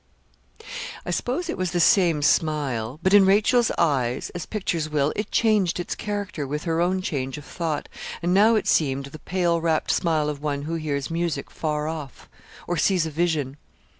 I suppose it was the same smile; but in Rachel s eyes, as pictures will, it changed its character with her own change of thought, and now it seemed the pale rapt smile of one who hears music far off, or sees a vision.